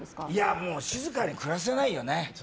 もう、静かに暮らせないよね。